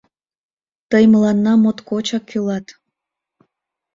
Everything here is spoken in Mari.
«Тый мыланна моткочак кӱлат.